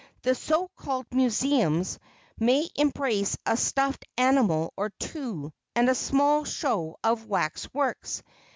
The so called "Museums" may embrace a stuffed animal or two, and a small show of wax works.